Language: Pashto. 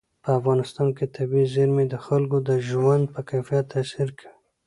په افغانستان کې طبیعي زیرمې د خلکو د ژوند په کیفیت تاثیر کوي.